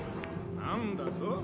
何だと？